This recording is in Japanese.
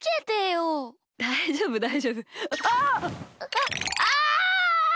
あっあっ！